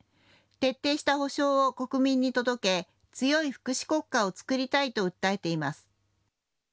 徹底した保障を国民に届け強い福祉国家をつくりたいと訴えています。